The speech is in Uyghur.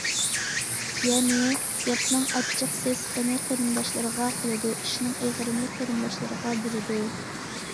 يەنى، گەپنىڭ ئاچچىق- سېسىقىنى قېرىنداشلىرىغا قىلىدۇ، ئىشنىڭ ئېغىرىنى قېرىنداشلىرىغا بېرىدۇ.